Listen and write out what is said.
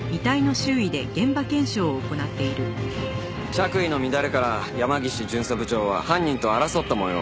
着衣の乱れから山岸巡査部長は犯人と争った模様。